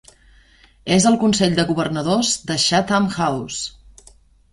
És al consell de governadors de Chatham House.